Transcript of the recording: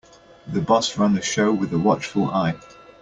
The boss ran the show with a watchful eye.